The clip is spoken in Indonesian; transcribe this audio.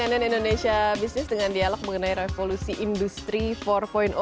masih di cnn indonesia bisnis dengan dialog mengenai revolusi industri empat